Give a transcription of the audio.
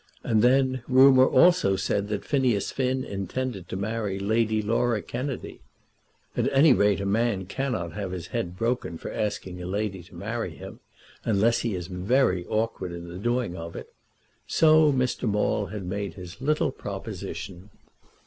And then, rumour also said that Phineas Finn intended to marry Lady Laura Kennedy. At any rate a man cannot have his head broken for asking a lady to marry him, unless he is very awkward in the doing of it. So Mr. Maule made his little proposition.